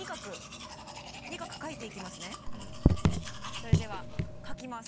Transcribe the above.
それでは書きます。